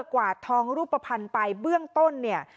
กวาดทองรูปภัณฑ์ไปเบื้องต้นเนี่ย